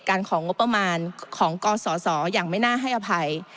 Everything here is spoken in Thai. ของงบประมาณของกศอย่างไม่น่าให้อภัย